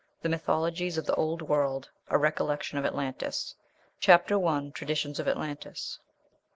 THE MYTHOLOGIES OF THE OLD WORLD A RECOLLECTION OF ATLANTIS. CHAPTER I. TRADITIONS OF ATLANTIS.